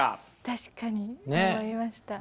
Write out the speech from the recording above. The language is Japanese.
確かに思いました。